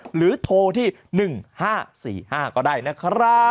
หรือโทรที่๑๕๔๕ก็ได้นะครับ